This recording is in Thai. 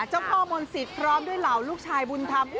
เจ้าพ่อมนศิษย์พร้อมด้วยเหล่าลูกชายบุญธรรม